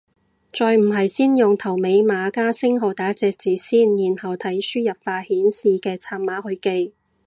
再唔係先用頭尾碼加星號打隻字先，然後睇輸入法顯示嘅拆碼去記